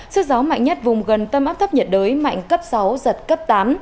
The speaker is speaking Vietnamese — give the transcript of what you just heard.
sức gió mạnh nhất vùng gần tâm áp thấp nhiệt đới mạnh cấp sáu giật cấp tám